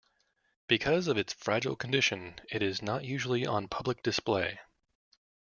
Because of its fragile condition, it is not usually on public display.